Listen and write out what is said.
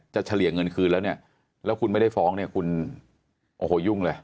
เฉลี่ยเงินคืนแล้วเนี่ยแล้วคุณไม่ได้ฟ้องเนี่ยคุณโอ้โหยุ่งเลย